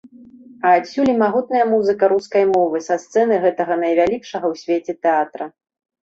А адсюль і магутная музыка рускай мовы са сцэны гэтага найвялікшага ў свеце тэатра.